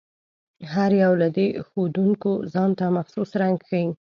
هر یو له دې ښودونکو ځانته مخصوص رنګ ښيي.